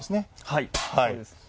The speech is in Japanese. はいそうです。